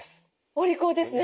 お利口ですね。